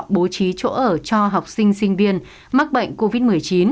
bố trí chỗ ở cho học sinh sinh viên mắc bệnh covid một mươi chín